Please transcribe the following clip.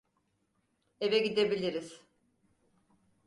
Eve gidebiliriz.